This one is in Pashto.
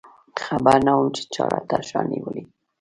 خبر نه وم چې چاړه دې تر شا نیولې.